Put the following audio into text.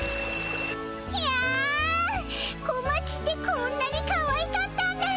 やん小町ってこんなにかわいかったんだ♥